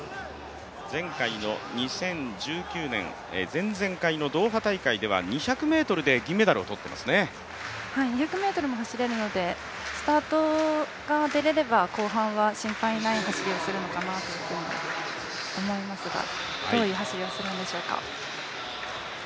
前回の２０１９年前々回のドーハ大会では、２００ｍで２００ｍも走れるのでスタートが出れれば、後半は心配ない走りをするのかなと思いますがどういう走りをするのでしょうか。